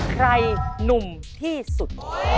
ใครหนุ่มที่สุด